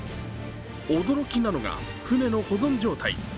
驚きなのが船の保存状態。